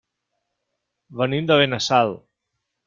Venim de Benassal.